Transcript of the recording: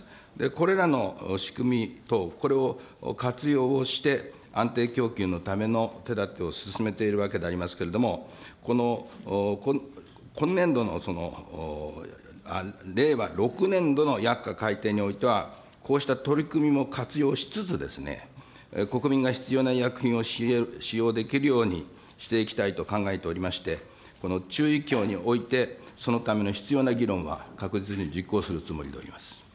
これらの仕組み等、これを活用をして、安定供給のための手だてを進めているわけでありますけれども、この、今年度の令和６年度の薬価改定においては、こうした取り組みも活用しつつですね、国民が必要な医薬品を使用できるようにしていきたいと考えておりまして、この中医協において、そのための必要な議論は確実に実行するつもりでおります。